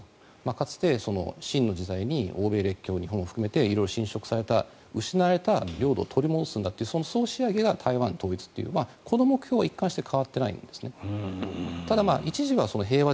かつて清の時代に欧米列強日本を含めて色々浸食された失われた領土を取り戻すんだというその総仕上げが台湾統一というこの目標は一貫して変わってないんです。